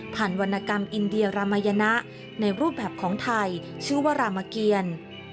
วรรณกรรมอินเดียรามายนะในรูปแบบของไทยชื่อว่ารามเกียร